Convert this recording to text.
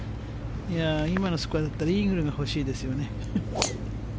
今のスコアだったらイーグルが欲しいですよね。